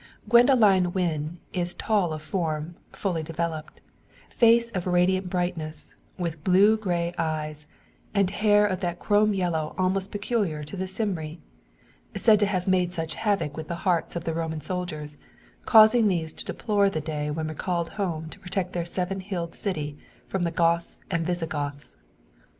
Gwendoline Wynn is tall of form, fully developed; face of radiant brightness, with blue grey eyes, and hair of that chrome yellow almost peculiar to the Cymri said to have made such havoc with the hearts of the Roman soldiers, causing these to deplore the day when recalled home to protect their seven hilled city from Goths and Visigoths.